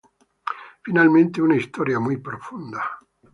Finalmente, una historia muy profunda.